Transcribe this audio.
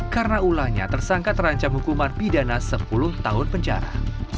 karena ulangnya tersangka terancam hukuman pidana sepuluh tahun penjara